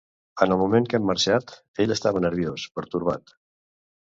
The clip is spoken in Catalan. En el moment que hem marxat, ell estava nerviós, pertorbat.